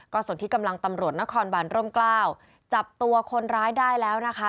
ส่วนที่กำลังตำรวจนครบานร่มกล้าวจับตัวคนร้ายได้แล้วนะคะ